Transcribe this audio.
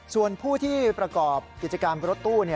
ส่วนผู้ที่ประกอบกิจการรถตู้